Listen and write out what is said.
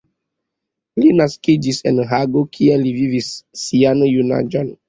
Li naskiĝis en Hago, kie li vivis sian junaĝon.